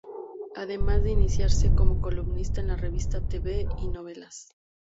Además de iniciarse como columnista en la revista Tv y Novelas.